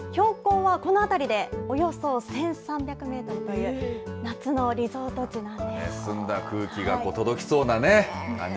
標高はこの辺りでおよそ１３００メートルという、夏のリゾート地澄んだ空気が届きそうな感じ